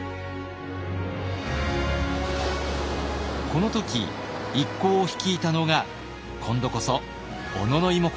この時一行を率いたのが今度こそ小野妹子でした。